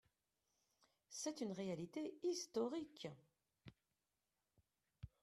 C’est une réalité historique